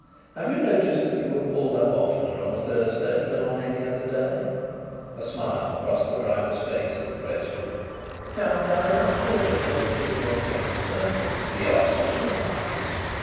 Have you noticed that you were pulled up oftener on a Thursday than on any other day?" A smile crossed the driver's face at the question. "You don't happen to live at Swanstead yourself, sir?" he asked in reply.